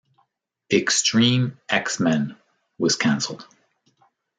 "X-Treme X-Men" was cancelled.